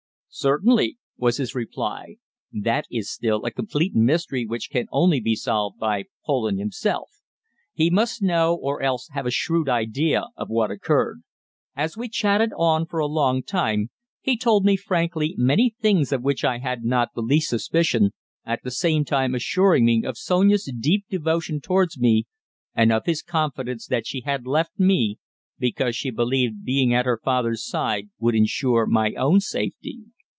"Certainly," was his reply; "that is still a complete mystery which can only be solved by Poland himself. He must know, or else have a shrewd idea of what occurred." As we chatted on for a long time, he told me frankly many things of which I had not the least suspicion, at the same time assuring me of Sonia's deep devotion towards me, and of his confidence that she had left me because she believed being at her father's side would ensure my own safety.